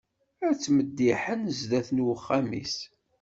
Ad tmeddiḥen sdat n uxxam-is.